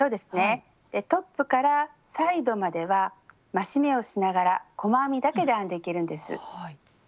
トップからサイドまでは増し目をしながら細編みだけで編んでいけるんです。